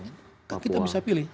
itu kita pilih